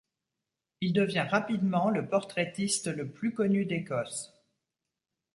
Il devient rapidement le portraitiste le plus connu d'Écosse.